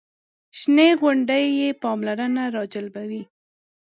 شنې غونډۍ یې پاملرنه راجلبوي.